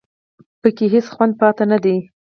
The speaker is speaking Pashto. په کې هېڅ خوند پاتې نه دی